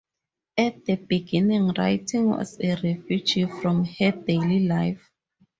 At the beginning writing was a refuge from her daily life.